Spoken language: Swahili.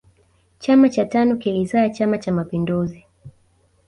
chama cha tanu kilizaa chama cha mapinduzi